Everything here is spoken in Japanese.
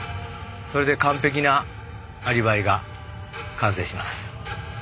それで完璧なアリバイが完成します。